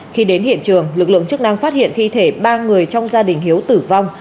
khi đến hiện trường lực lượng chức năng phát hiện thi thể ba người trong gia đình hiếu tử vong